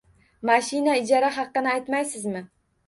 Mashina ijara haqqini aytmaysizmi